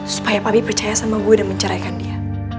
supaya pabi percaya sama gue dan menceraikan dia